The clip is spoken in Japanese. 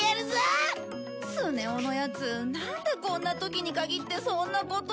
スネ夫のヤツなんでこんな時に限ってそんなことを。